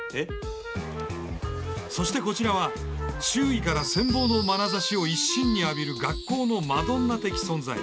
そしてこちらは周囲から羨望のまなざしを一身に浴びる学校のマドンナ的存在。